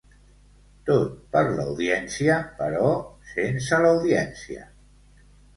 Tot per l'audiència, però sense l'audiència.